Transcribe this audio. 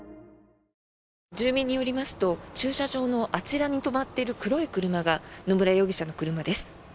住民によりますと駐車場のあちらに止まっている黒い車が野村容疑者の車です。